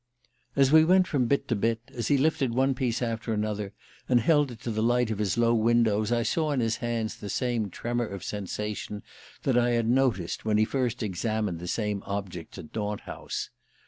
As we went from bit to bit, as he lifted one piece after another, and held it to the light of his low windows, I saw in his hands the same tremor of sensation that I had noticed when he first examined the same objects at Daunt House.